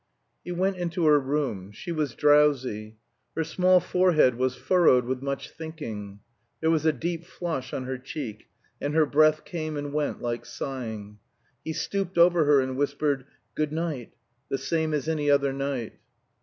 He went into her room. She was drowsy. Her small forehead was furrowed with much thinking; there was a deep flush on her cheek, and her breath came and went like sighing. He stooped over her and whispered "Goodnight," the same as any other night.